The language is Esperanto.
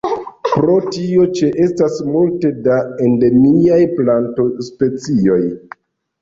Pro tio ĉeestas multe da endemiaj plantospecioj.